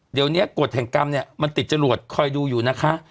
เดี๋ยวนี้กฎแห่งกรรมเนี่ยมันติดจรวดคอยดูอยู่นะคะ